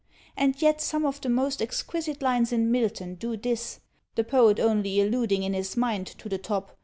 And yet some of the most exquisite lines in Milton do this; the poet only alluding in his mind to the top.